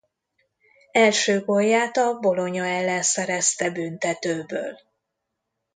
Első gólját a Bologna ellen szerezte büntetőből.